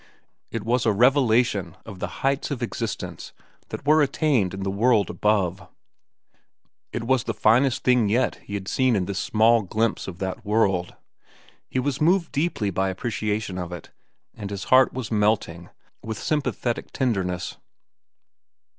It was a revelation of the heights of existence that were attained in the world above. It was the finest thing yet that he had seen in this small glimpse of that world. He was moved deeply by appreciation of it, and his heart was melting with sympathetic tenderness.